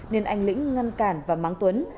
nên anh lĩnh ngăn cản và mắng tuấn